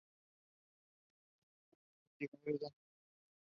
Otros investigadores dan cifras menores.